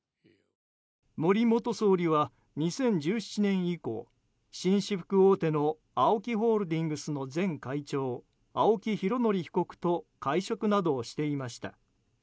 森元総理は２０１７年以降紳士服大手のＡＯＫＩホールディングスの前会長、青木拡憲被告と会食などをしていました。